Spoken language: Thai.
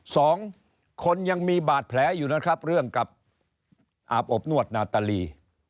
สองคนยังมีบาดแผลอยู่นะครับเรื่องกับอาบอบนวดนาตาลี